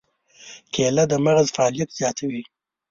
کېله د مغز فعالیت زیاتوي.